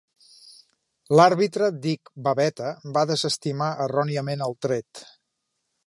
L'àrbitre Dick Bavetta va desestimar erròniament el tret.